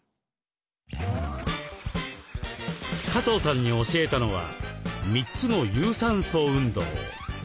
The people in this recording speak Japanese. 加藤さんに教えたのは３つの有酸素運動。